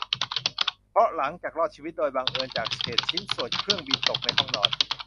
เพราะหลังจากรอดชีวิตโดยบังเอิญจากเหตุชิ้นส่วนเครื่องบินตกในห้องนอน